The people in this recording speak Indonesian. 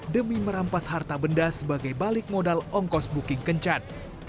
demi merampas harta benda sebagai balik modal ongkos booking kencan